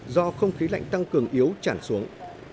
do không khí lạnh tăng cường yếu chản xuống